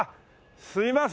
すいません。